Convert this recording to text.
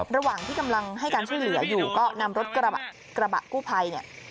ระหว่างที่กำลังให้ช่วยเหลืออยู่ก็นำรถกระบะกู้ไพ